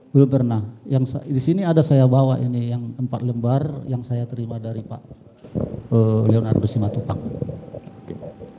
belum pernah yang disini ada saya bawa ini yang empat lembar yang saya terima dari pak leonardo simatupang